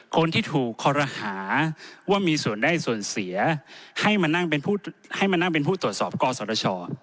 คนที่ถูกคอรหาว่ามีส่วนได้ส่วนเสียให้มานั่งเป็นผู้ตรวจสอบกสรช